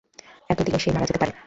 এতো দিলে সে মারা যেতে পারে।